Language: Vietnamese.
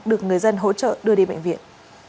được người dân hỗ trợ đưa đi bệnh viện